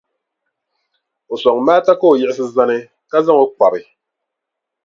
O sɔŋ Maata ka o yiɣisi zani, ka zaŋ o n-kpabi.